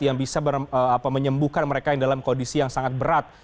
yang bisa menyembuhkan mereka yang dalam kondisi yang sangat berat